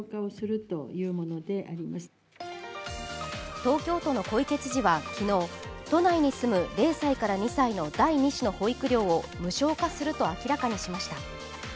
東京都の小池知事は昨日、都内に住む０歳から２歳の第２子の保育料を無償化すると明らかにしました。